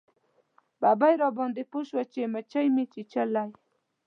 ببۍ راباندې پوه شوه چې موچۍ مې چیچلی.